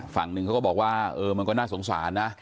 ฝั่งหนึ่งเขาก็บอกว่าเออมันก็น่าสงสารนะ